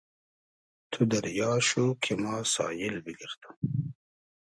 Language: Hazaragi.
تو دئریا شو کی ما ساییل بیگئردوم